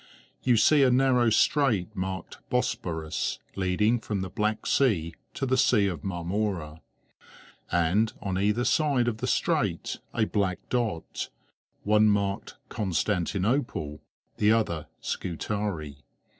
You see a narrow strait marked "Bosporus" leading from the Black Sea to the Sea of Marmora; and on either side of the strait a black dot, one marked "Constantinople," the other "Scutari."